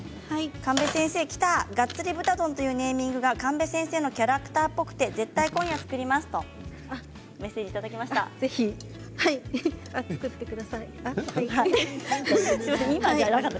神戸先生きた、ガッツリ豚丼というネーミングが神戸先生のキャラクターっぽくて絶対、今夜作りますとメッセージいただきました。